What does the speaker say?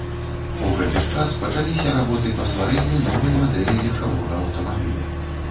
У гэты ж час пачаліся работы па стварэнні новай мадэлі легкавога аўтамабіля.